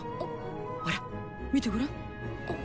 ほら見てごらん。